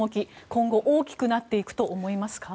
今後、大きくなっていくと思いますか？